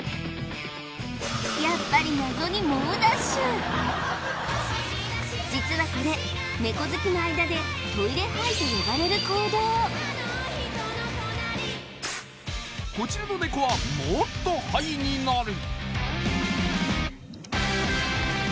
やっぱり実はこれネコ好きの間でトイレハイと呼ばれる行動こちらのネコはもっとハイになる